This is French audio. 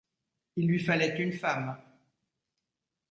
Il lui fallait une femme.